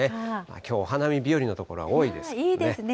きょう、お花見日和の所が多いでいいですね。